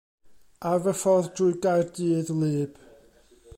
Ar fy ffordd drwy Gaerdydd wlyb.